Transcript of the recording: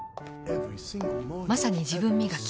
まさに自分磨き。